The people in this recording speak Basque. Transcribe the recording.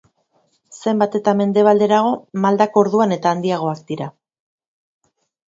Zenbat eta mendebalderago, maldak orduan eta handiagoak dira.